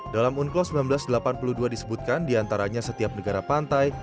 dalam unclos seribu sembilan ratus delapan puluh dua disebutkan diantaranya setiap negara pantai